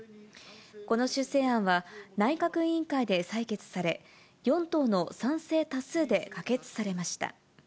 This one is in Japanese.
この修正案は、内閣委員会で採決され、４党の賛成多数で可決されました。